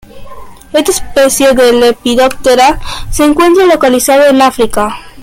Esta especie de Lepidoptera se encuentra localizada en África.